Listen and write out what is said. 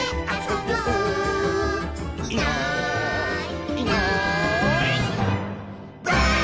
「いないいないばあっ！」